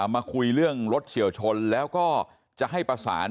มาคุยเรื่องรถเฉียวชนแล้วก็จะให้ประสาน